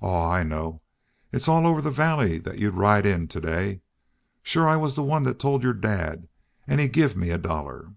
"Aw, I know. It's all over the valley thet y'u'd ride in ter day. Shore I wus the one thet tole yer dad an' he give me a dollar."